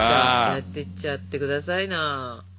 やっていっちゃってくださいな。